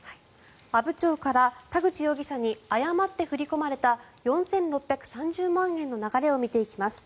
阿武町から田口容疑者に誤って振り込まれた４６３０万円の流れを見ていきます。